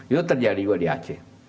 itu terjadi juga di aceh